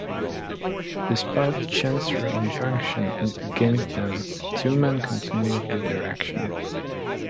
Despite a Chancery injunction against them, the two men continued with their action.